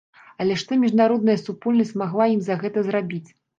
Але што міжнародная супольнасць магла ім за гэта зрабіць?